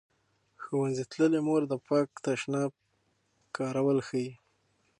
ښوونځې تللې مور د پاک تشناب کارول ښيي.